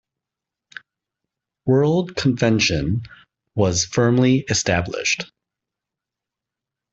'World Convention' was firmly established.